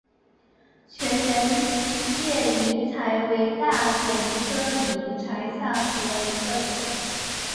全缘叶银柴为大戟科银柴属下的一个种。